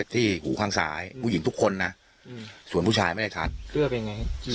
ที่หูข้างซ้ายผู้หญิงทุกคนนะส่วนผู้ชายไม่ได้ทันเสื้อเป็นไง